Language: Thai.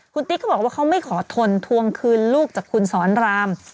คุณติ๊กเขาบอกว่าเขาไม่ขอทนทวงคืนลูกจากคุณสอนราม